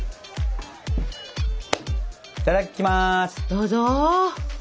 どうぞ。